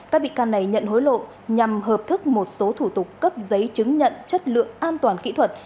các bị can này nhận hối lộ nhằm hợp thức một số thủ tục cấp giấy chứng nhận chất lượng an toàn kỹ thuật